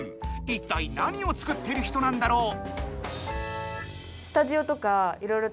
いったい何を作ってる人なんだろう？